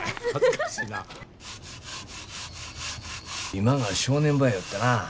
今が正念場やよってな。